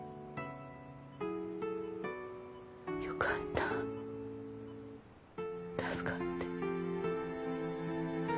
よかった助かって。